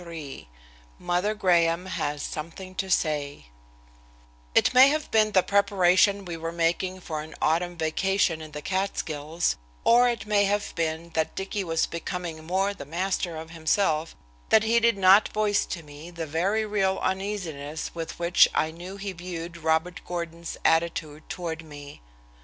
XXXIII "MOTHER" GRAHAM HAS SOMETHING TO SAY It may have been the preparation we were making for an autumn vacation in the Catskills, or it may have been that Dicky was becoming more the master of himself, that he did not voice to me the very real uneasiness with which I knew he viewed Robert Gordon's attitude toward me.